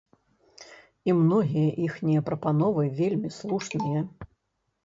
І многія іхнія прапановы вельмі слушныя.